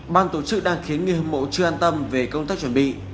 ban tổ chức đang khiến người hâm mộ chưa an tâm về công tác chuẩn bị